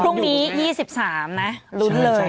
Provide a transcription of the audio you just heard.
พรุ่งนี้๒๓นะลุ้นเลย